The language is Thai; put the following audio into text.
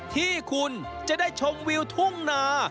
ที่คุณจะได้ชมวิวทุ่งนา